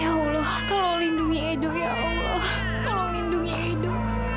ya allah tolong lindungi edo ya allah tolong lindungi hidup